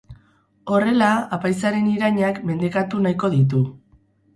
Horrela apaizaren irainak mendekatu nahiko ditu.